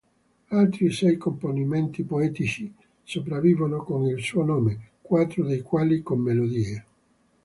Altri sei componimenti poetici sopravvivono con il suo nome, quattro dei quali con melodie.